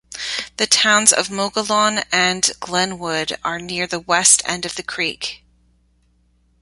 The towns of Mogollon and Glenwood are near the west end of the creek.